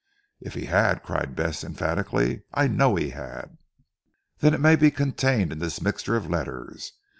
"If he had," cried Bess emphatically. "I know he had!" "Then it may be contained in this mixture of letters.